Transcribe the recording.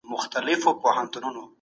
څه شی د غرور له امله د بخښني مخه نیسي؟